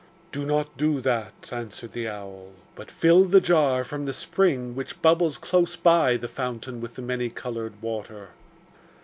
'Do not do that,' answered the owl, 'but fill the jar from the spring which bubbles close by the fountain with the many coloured water.